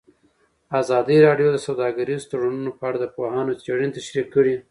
ازادي راډیو د سوداګریز تړونونه په اړه د پوهانو څېړنې تشریح کړې.